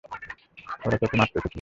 ওরা তোকে মারতে এসেছিল।